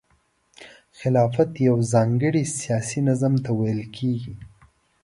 خلافت یو ځانګړي سیاسي نظام ته ویل کیږي.